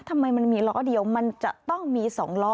ทำไมมันมีล้อเดียวมันจะต้องมี๒ล้อ